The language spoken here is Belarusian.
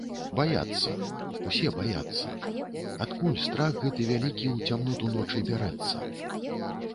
Баяцца, усе баяцца, адкуль страх гэты вялікі ў цямноту ночы бярэцца?